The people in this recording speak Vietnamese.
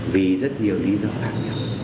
vì rất nhiều lý do đáng nhận